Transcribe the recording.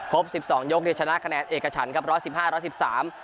สิบสองยกเนี่ยชนะคะแนนเอกฉันครับร้อยสิบห้าร้อยสิบสาม